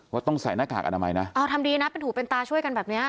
ต้องใส่หน้ากากอนามัยนะเอาทำดีนะเป็นหูเป็นตาช่วยกันแบบเนี้ย